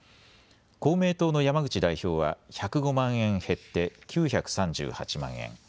公明党の山口代表は１０５万円減って９３８万円。